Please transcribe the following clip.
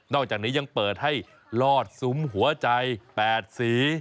อกจากนี้ยังเปิดให้ลอดซุ้มหัวใจ๘สี